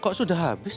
kok sudah habis